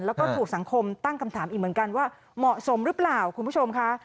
แล้วก็ถูกสังคมตั้งคำถามอีกเหมือนกันว่าเหมาะสมหรือเปล่าคุณผู้ชมค่ะ